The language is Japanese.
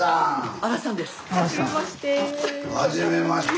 はじめまして。